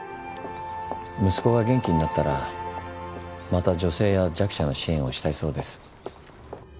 息子が元気になったらまた女性や弱者の支援をしたいそうです。